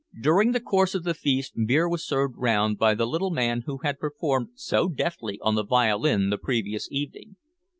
During the course of the feast, beer was served round by the little man who had performed so deftly on the violin the previous evening.